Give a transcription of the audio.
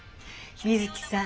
みづきさん